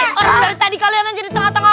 eh orang dari tadi kalian aja di tengah tengah